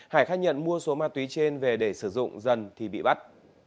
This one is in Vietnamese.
hải khai nhận mua số ma túy trên về để sử dụng dần thì bị bắt